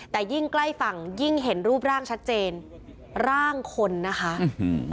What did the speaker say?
แต่ยิ่งใกล้ฝั่งยิ่งเห็นรูปร่างชัดเจนร่างคนนะคะอืม